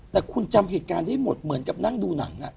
แต่คุณจำเหตุการณ์ได้หมดเหมือนกับนั่งดูหนัง